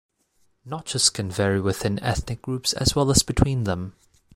Notches can vary within ethnic groups as well as between them.